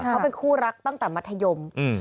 เขาเป็นคู่รักตั้งแต่มัธยม